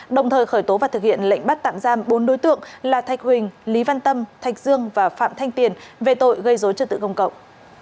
đồng thời khởi tố và thực hiện lệnh bắt tạm giam bốn đối tượng là thạch huỳnh lý văn tâm thạch dương và phạm thanh tiền về tội gây dối trật tự công cộng